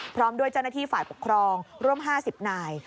พร้อมด้วยเจ้าหน้าที่ฝ่ายปกครองร่วม๕๐นาย